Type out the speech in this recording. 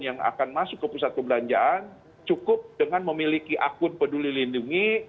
yang akan masuk ke pusat perbelanjaan cukup dengan memiliki akun peduli lindungi